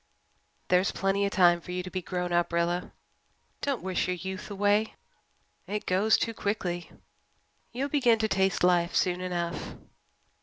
"There's plenty of time for you to be grown up, Rilla. Don't wish your youth away. It goes too quickly. You'll begin to taste life soon enough."